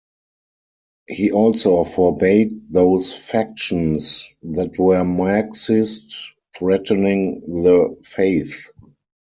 He also forbade those factions that were Marxist threatening the faith.